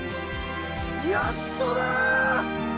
やっとだ。